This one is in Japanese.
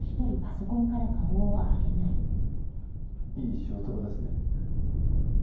いい仕事場ですね。